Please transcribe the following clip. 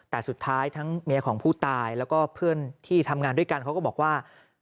แต่สุดท้ายทั้งเมียของผู้ตายแล้วก็เพื่อนที่ทำงานด้วยกันเขาก็บอกว่า